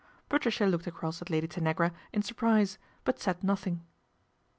Patricia looked across at Lady Tanagra in surprise, but said nothing.